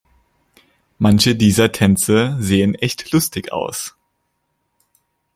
Manche dieser Tänze sehen echt lustig aus.